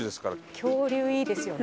恐竜いいですよね。